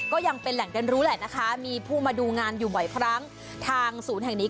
ก็ยังเป็นแหล่งเรียนรู้แหละนะคะมีผู้มาดูงานอยู่บ่อยครั้งทางศูนย์แห่งนี้